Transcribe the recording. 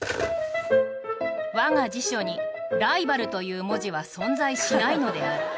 わが辞書にライバルという文字は存在しないのである。